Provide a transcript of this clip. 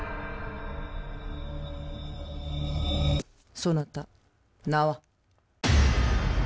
そなた名は？